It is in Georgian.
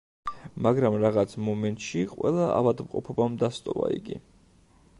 მაგრამ რაღაც მომენტში ყველა ავადმყოფობამ დასტოვა იგი.